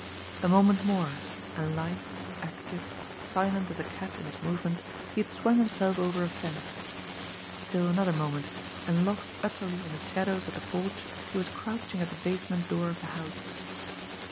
A moment more, and lithe, active, silent as a cat in his movements, he had swung himself over a fence; still another moment, and lost utterly in the shadows of the porch, he was crouching at the basement door of the house.